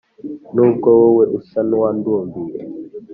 Nubwo wowe usa nuwandumbiye